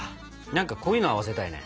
何かこういうのを合わせたいね。